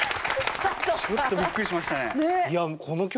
ちょっとびっくりしましたね。